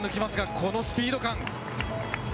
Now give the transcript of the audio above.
このスピード感。